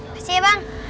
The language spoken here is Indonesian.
kasih ya bang